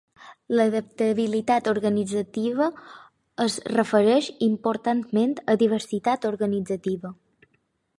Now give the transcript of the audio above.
L'adaptabilitat organitzativa es refereix importantment a diversitat organitzativa.